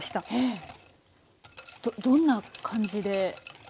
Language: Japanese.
どんな感じで。